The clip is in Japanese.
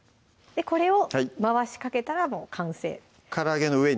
これを回しかけたらもう完成から揚げの上に？